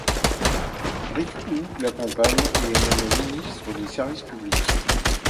Rick Hou l'accompagne, et est nommé ministre des Services publics.